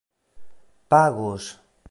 pagos